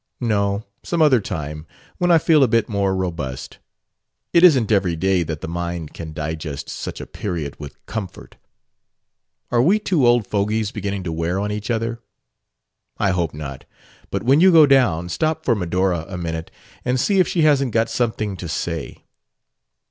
"No; some other time, when I feel a bit more robust. It isn't every day that the mind can digest such a period with comfort." "Are we two old fogies beginning to wear on each other?" "I hope not. But when you go down, stop for Medora a minute and see if she hasn't got something to say."